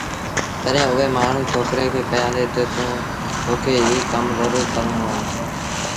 تڏهيݩ اُئي مآڻهوٚٚݩ ڇوڪري کي ڪهيآݩدي تا تا تو کي ايٚ ڪم زرُور ڪرڻو اهي